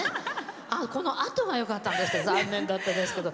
このあとがよかったんですけど残念だったですけど。